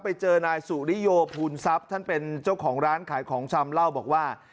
ไปเจอนายสุริโยภูลทรัพย์ท่านเป็นเจ้าของร้านขายของชำเล่าบอกว่า